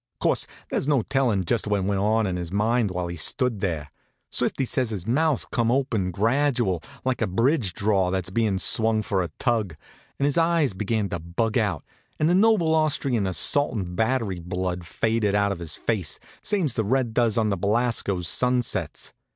Course, there's no tellin' just what went on in his mind while he stood there. Swifty says his mouth come open gradual, like a bridge draw that's being swung for a tug; and his eyes began to bug out, and the noble Austrian assault and battery blood faded out of his face same's the red does in one of Belasco's sunsets.